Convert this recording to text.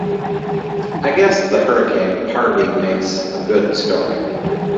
I guess the hurricane party makes a good story.